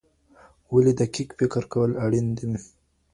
ولي دقیق فکر کول اړین دي؟